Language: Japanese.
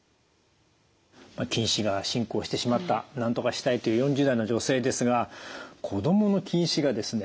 近視が進行してしまったなんとかしたいという４０代の女性ですが子どもの近視がですね